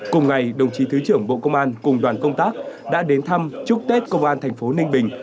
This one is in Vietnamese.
cùng ngày đồng chí thứ trưởng bộ công an cùng đoàn công tác đã đến thăm chúc tết công an thành phố ninh bình